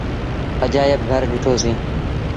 اجآئيب گھر ڏٺو سيٚݩ۔